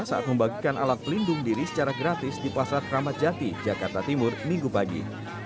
saat membagikan alat pelindung diri secara gratis di pasar ramadjati jakarta timur minggu pagi